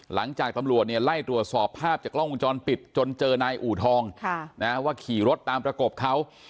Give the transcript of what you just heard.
หลังจากตำรวจเนี่ยไล่ตรวจสอบภาพจากกล้องวงจรปิดจนเจอนายอูทองว่าขี่รถตามประกบเขา